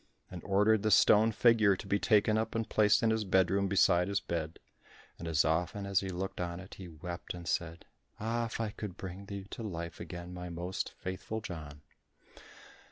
and ordered the stone figure to be taken up and placed in his bedroom beside his bed. And as often as he looked on it he wept and said, "Ah, if I could bring thee to life again, my most faithful John."